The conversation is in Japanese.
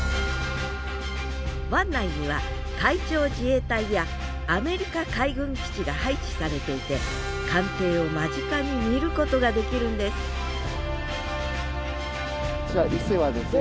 湾内には海上自衛隊やアメリカ海軍基地が配置されていて艦艇を間近に見ることができるんですこちらいせはですね。